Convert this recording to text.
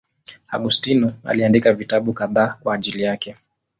Augustino aliandika vitabu kadhaa kwa ajili yake.